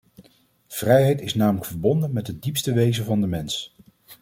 Vrijheid is namelijk verbonden met het diepste wezen van de mens.